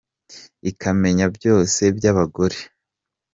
Ikamenya bose byabagoye